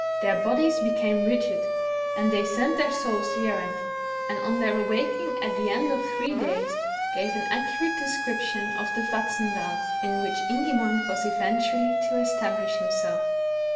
Their bodies became rigid, and they sent their souls the errand, and, on their awaking at the end of three days, gave an accurate description of the Vatnsdal, in which . Ingimund was eventually to establish himself.